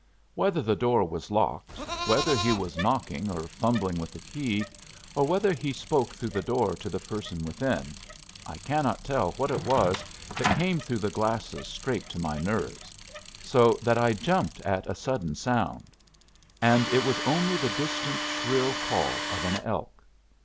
Whether the door was locked, whether he was knocking or fumbling with a key, or whether he spoke through the door to the person within I cannot tell what it was that came through the glasses straight to my nerves, so that I jumped at a sudden sound; and it was only the distant shrill call of an elk.